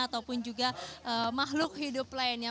ataupun juga makhluk hidup lainnya